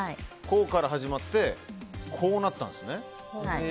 こうから始まってこうなったんですね。